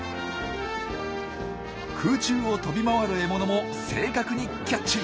空中を飛び回る獲物も正確にキャッチ。